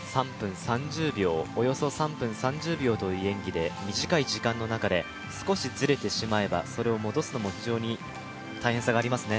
およそ３分３０秒という演技で短い時間の中で少し、ずれてしまえばそれを戻すのも非常に大変さがありますね。